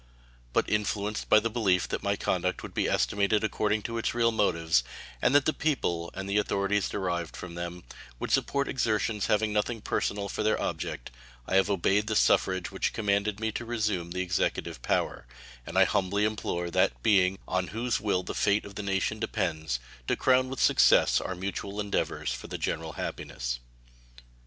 But influenced by the belief that my conduct would be estimated according to its real motives, and that the people, and the authorities derived from them, would support exertions having nothing personal for their object, I have obeyed the suffrage which commanded me to resume the Executive power; and I humbly implore that Being on whose will the fate of nations depends to crown with success our mutual endeavors for the general happiness.